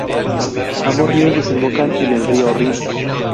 Ambos ríos desembocan en el río Rin.